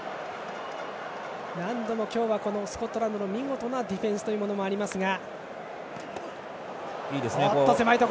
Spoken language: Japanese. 何度も今日はスコットランドの見事なディフェンスもありますが。